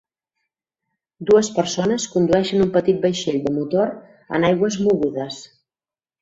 Dues persones condueixen un petit vaixell de motor en aigües mogudes.